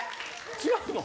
違うの？